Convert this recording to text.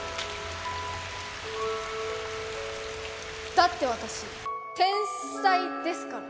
だって私天才ですから